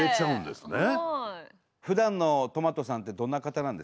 すごい。ふだんのとまとさんってどんな方なんですか？